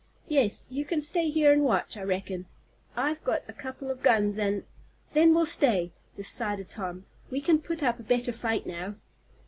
Yes, you can stay here and watch, I reckon. I've got a couple of guns, and " "Then we'll stay," decided Tom. "We can put up a better fight now."